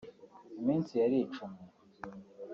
Iminsi yaricumye